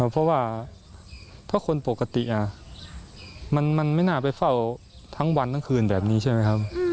เพราะว่าเพราะคนปกติมันไม่น่าไปเฝ้าทั้งวันทั้งคืนแบบนี้ใช่ไหมครับ